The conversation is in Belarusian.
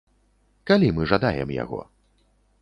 Калі мы жадаем яго?